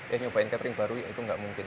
eh nyobain katering baru itu gak mungkin